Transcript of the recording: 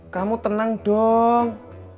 kamu tenang dong